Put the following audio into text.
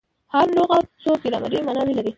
هر لغت څو ګرامري ماناوي لري.